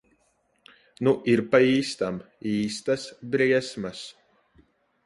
Nu ir pa īstam. Īstas briesmas.